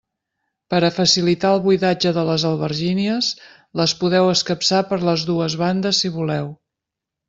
Per a facilitar el buidatge de les albergínies, les podeu escapçar per les dues bandes si voleu.